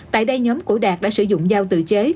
tại đây nhóm của đạt đã sử dụng dao tự chế